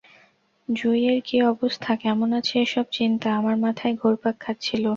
জঁুইয়ের কী অবস্থা, কেমন আছে এসব চিন্তা আমার মাথায় ঘুরপাক খাচ্ছিল।